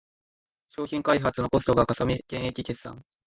商品開発のコストがかさみ減益決算